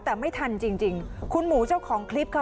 แต่ไม่ทันจริงจริงคุณหมูเจ้าของคลิปค่ะ